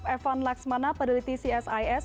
evan laxmana pendidik tcsis